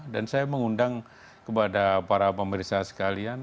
dan saya mengundang kepada para pemerintah sekalian